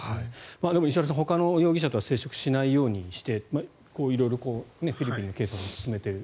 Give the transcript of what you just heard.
でも石原さんほかの容疑者とは接触しないようにして色々フィリピンの警察も進めていると。